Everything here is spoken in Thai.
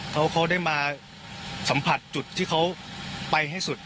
เขาได้มาสัมผัสจุดที่เขาไปให้สุด